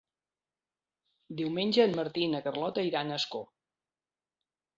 Diumenge en Martí i na Carlota iran a Ascó.